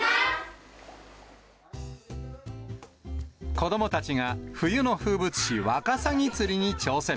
子どもたちが冬の風物詩、ワカサギ釣りに挑戦。